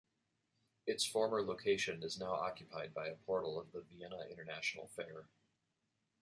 Its former location is now occupied by a portal of the Vienna International Fair.